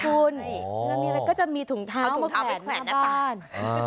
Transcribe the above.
คุณมีอะไรก็จะมีถุงเท้าไปแขวนหน้าบ้าน